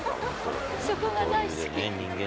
そこが大好き。